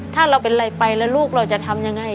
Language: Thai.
ถ้าเราเป็นอะไรไปแล้วลูกเราจะทำยังไง